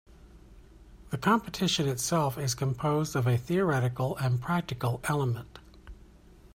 The competition itself is composed of a theoretical and practical element.